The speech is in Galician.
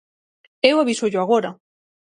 Eu avísollo agora.